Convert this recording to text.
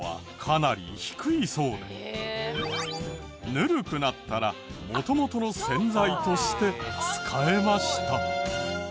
ぬるくなったら元々の洗剤として使えました。